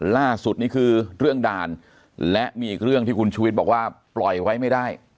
ล่าสุดนี่คือเรื่องด่านและมีอีกเรื่องที่คุณชุวิตบอกว่าปล่อยไว้ไม่ได้